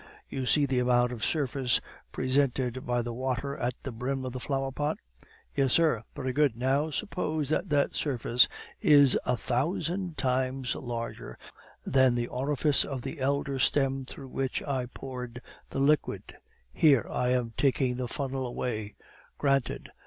You see the amount of surface presented by the water at the brim of the flower pot?" "Yes, sir." "Very good; now suppose that that surface is a thousand times larger than the orifice of the elder stem through which I poured the liquid. Here, I am taking the funnel away " "Granted."